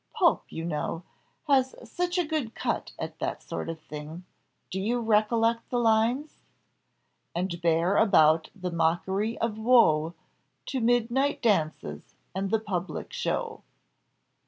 Pope, you know, has such a good cut at that sort of thing. Do you recollect the lines?" "'And bear about the mockery of woe To midnight dances and the public show.